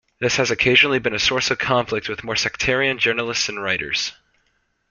This has occasionally been a source of conflict with more sectarian journalists and writers.